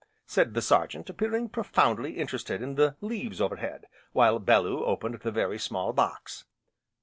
said the Sergeant appearing profoundly interested in the leaves overhead, while Bellew opened the very small box.